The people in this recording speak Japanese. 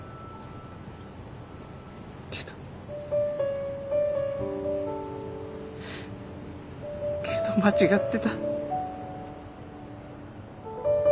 けどけど間違ってた。